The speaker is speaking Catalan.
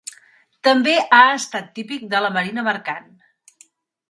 També ha estat típic de la marina mercant.